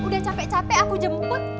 udah capek capek aku jemput